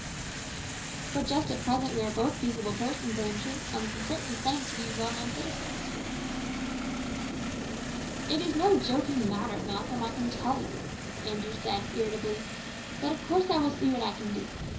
"But just at present we are both peaceable persons, Andrew, and we can certainly claim to be well known citizens." "It is no joking matter, Malcolm, I can tell you," Andrew said irritably; "but of course I will see what I can do.